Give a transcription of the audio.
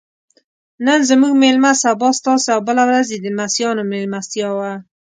نن زموږ میلمه سبا ستاسې او بله ورځ یې د لمسیانو میلمستیا وه.